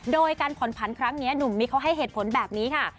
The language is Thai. โดยการผ่อนผันครั้งนี้หนุ่มมิกเขาให้เหตุผลแบบนี้ค่ะ